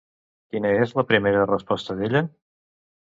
Quina és la primera resposta d'ella?